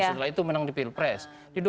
setelah itu menang di pilpres